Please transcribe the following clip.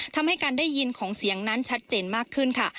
ทำให้การได้ยินของเสียงนั้นชัดเจนมากขึ้นค่ะ